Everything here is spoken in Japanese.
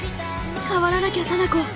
変わらなきゃ沙名子！